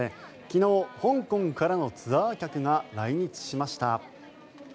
昨日、香港からのツアー客が来日しました。